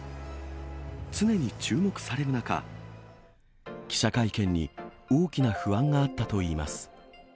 常に注目される中、記者会見に大きな不安があったといいます。